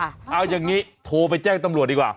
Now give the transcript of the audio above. เอาอย่างนี้โทรไปแจ้งตำรวจดีกว่า